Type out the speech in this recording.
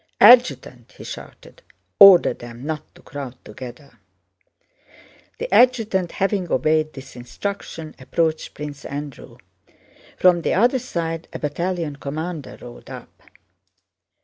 "Adjutant!" he shouted. "Order them not to crowd together." The adjutant, having obeyed this instruction, approached Prince Andrew. From the other side a battalion commander rode up.